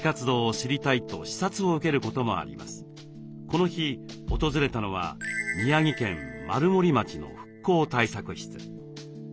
この日訪れたのは宮城県丸森町の復興対策室。